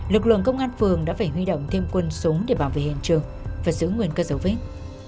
lực lượng công an phường đã phải huy động thêm quân súng để bảo vệ hiện trường và giữ nguyên các dấu vết